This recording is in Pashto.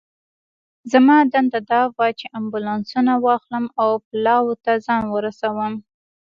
زما دنده دا وه چې امبولانسونه واخلم او پلاوا ته ځان ورسوم.